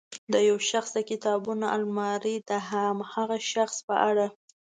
د یو شخص د کتابونو المارۍ د هماغه شخص په اړه.